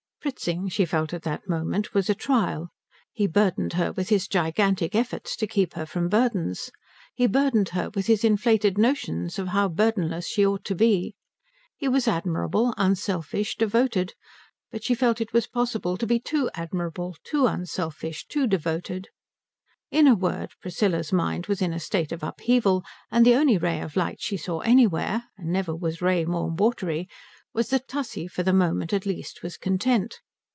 Fritzing, she felt at that moment, was a trial. He burdened her with his gigantic efforts to keep her from burdens. He burdened her with his inflated notions of how burdenless she ought to be. He was admirable, unselfish, devoted; but she felt it was possible to be too admirable, too unselfish, too devoted. In a word Priscilla's mind was in a state of upheaval, and the only ray of light she saw anywhere and never was ray more watery was that Tussie, for the moment at least, was content.